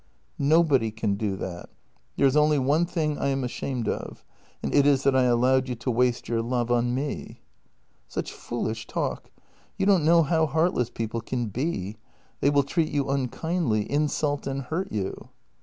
Nobody can do that. There is only one thing I am ashamed of, and it is that I allowed you to waste your love on me." " Such foolish talk! You don't know how heartless people can be; they will treat you unkindly, insult and hurt you."